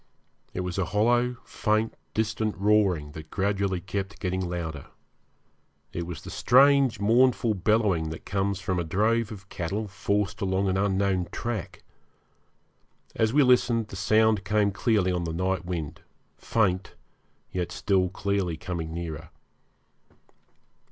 It was a hollow, faint, distant roaring that gradually kept getting louder. It was the strange mournful bellowing that comes from a drove of cattle forced along an unknown track. As we listened the sound came clearly on the night wind, faint, yet still clearly coming nearer.